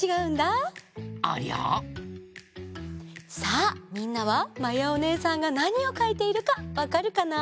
さあみんなはまやおねえさんがなにをかいているかわかるかな？